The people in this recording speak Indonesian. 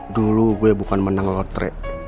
dulu gue bukan menang lotre